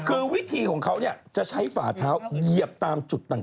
คือวิธีของเขาจะใช้ฝ่าเท้าเหยียบตามจุดต่าง